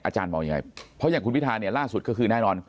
อาจารย์มองอย่างไรเพราะอย่างคุณวิทาเนี่ยล่าสุดก็คือแน่นอน